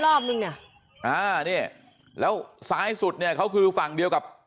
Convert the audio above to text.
รอบนึงเนี่ยอ่านี่แล้วซ้ายสุดเนี่ยเขาคือฝั่งเดียวกับ